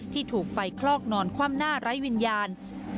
ถูกไฟคลอกนอนคว่ำหน้าไร้วิญญาณ